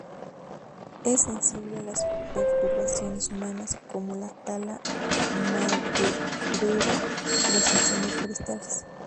Es sensible a las perturbaciones humanas como la tala maderera y los incendios forestales.